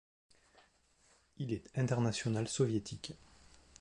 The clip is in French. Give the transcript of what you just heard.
Il est international soviétique.